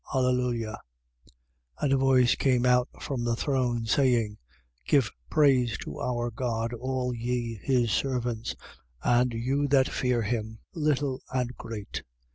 Alleluia. 19:5. And a voice came out from the throne, saying: Give praise to our God, all ye his servants: and you that fear him, little and great.